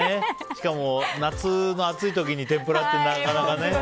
しかも夏場、暑い時に天ぷらってなかなかね。